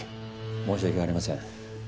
申し訳ありません。